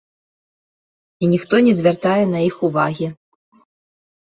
І ніхто не звяртае на іх увагі.